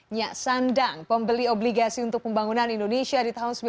nyak sandang pembeli obligasi untuk pembangunan indonesia di tahun seribu sembilan ratus sembilan puluh